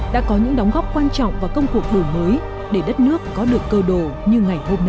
đã có những đóng góp quan trọng vào công cuộc đổi mới để đất nước có được cơ đồ như ngày hôm nay